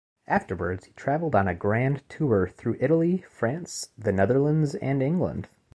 Afterwards, he travelled on a "Grand Tour" through Italy, France, the Netherlands, and England.